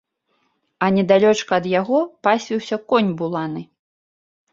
А недалёчка ад яго пасвіўся конь буланы.